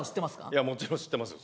いやもちろん知ってますよ